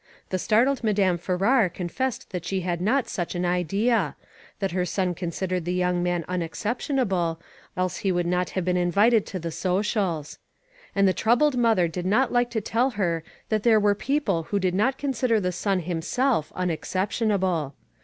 The startled Madame Farrar con fessed that she had not such an idea; that her son considered the young man unex ceptionable, else he would not have been invited to the socials. And the troubled mother did not like to tell her that there were people who did not consider the son himself unexceptionable.